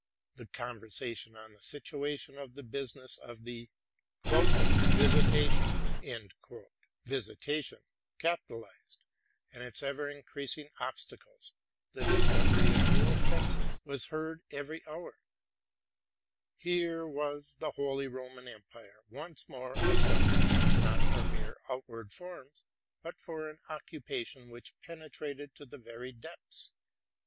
The con versation on the situation of the business of the '' Visita tion,'' and its ever increasing obstacles, the discovery of new offences, was heard every hour. Here was the holy Roman Empire once more assembled, not for mere outward forms, but for an occupation which penetrated to the very depths.